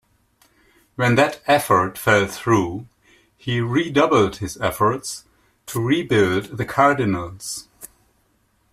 When that effort fell through, he redoubled his efforts to rebuild the Cardinals.